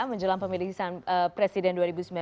menjelang pemilihan presiden dua ribu sembilan belas